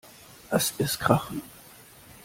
Lasst es krachen!